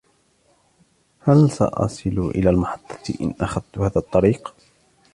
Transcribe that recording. هل سأصل إلى المحطة إن أخذت هذا الطريق؟